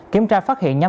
kiểm tra phát hiện nhóm